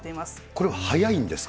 これ、早いんですか。